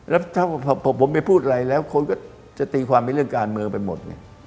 แล้วถ้าผมไปพูดอะไรแล้วคนก็จะตีความเป็นเรื่องการเมืองไปหมด